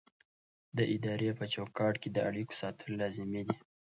د ادارې په چوکاټ کې د اړیکو ساتل لازمي دي.